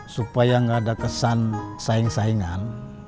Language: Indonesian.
supaya nggak ada kesan saing saingan